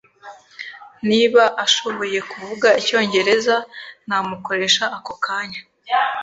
Niba ashoboye kuvuga icyongereza, namukoresha ako kanya.